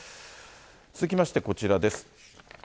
続きまして、こちらです。